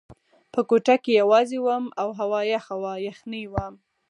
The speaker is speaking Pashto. په کوټه کې یوازې وم او هوا یخه وه، یخنۍ وه.